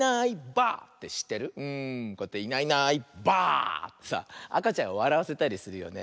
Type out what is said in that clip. こうやって「いないいないばあ！」ってさあかちゃんをわらわせたりするよね。